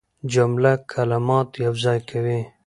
جمله کلمات یوځای کوي.